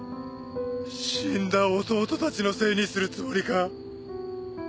死んだ弟たちのせいにするつもりか？